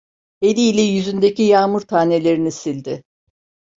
Eliyle yüzündeki yağmur tanelerini sildi.